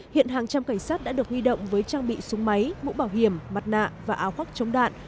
hiện hàng trăm cảnh sát đã được huy động với trang bị súng máy mũ bảo hiểm mặt nạ và áo khoác chống đạn